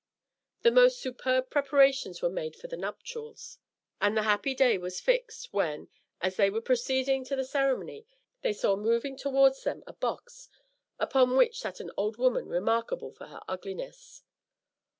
The most superb preparations were made for the nuptials, and the happy day was fixed when, as they were proceeding to the ceremony, they saw moving towards them a box, upon which sat an old woman remarkable for her ugliness.